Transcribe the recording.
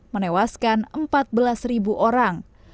menewaskan empat belas orang